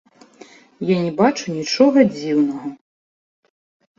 Я не бачу нічога дзіўнага.